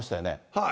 はい。